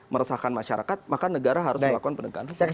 meresahkan masyarakat maka negara harus melakukan penegakan hukum